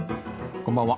こんばんは。